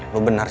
ya kamu benar